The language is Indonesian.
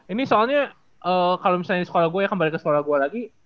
ini soalnya kalau misalnya di sekolah gue kembali ke sekolah gue lagi